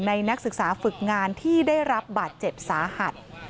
นักศึกษาฝึกงานที่ได้รับบาดเจ็บสาหัส